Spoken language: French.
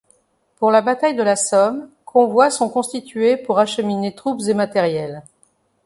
Pour la bataille de la Somme, convois sont constitués pour acheminer troupes et matériel.